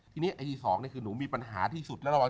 ทีนี้ไอ้ที่๒เนี่ยคือหนูมีปัญหาที่สุด